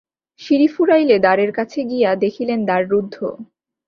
সিঁড়ি ফুরাইলে দ্বারের কাছে গিয়া দেখিলেন দ্বার রুদ্ধ।